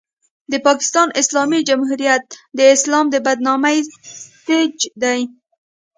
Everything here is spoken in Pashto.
د پاکستان اسلامي جمهوریت د اسلام د بدنامۍ سټېج دی.